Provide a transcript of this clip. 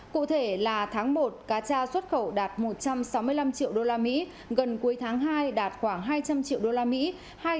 cụ thể là tháng một cá cha xuất khẩu đạt một trăm sáu mươi năm triệu usd gần cuối tháng hai đạt khoảng hai trăm linh triệu usd